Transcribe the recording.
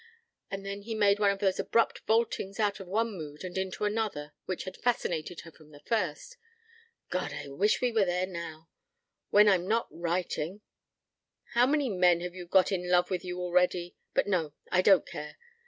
And then he made one of those abrupt vaultings out of one mood into another which had fascinated her from the first. "God! I wish we were there now. When I'm not writing ! How many men have you got in love with you already? But no. I don't care.